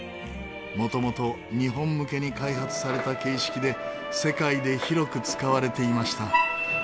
元々日本向けに開発された形式で世界で広く使われていました。